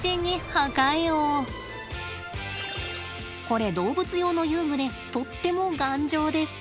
これ動物用の遊具でとっても頑丈です。